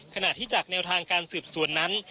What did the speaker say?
ขณะที่จากแนวทางการสืบสวนนั้น